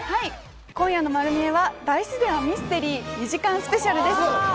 今夜の『まる見え！』は大自然はミステリー２時間スペシャルです。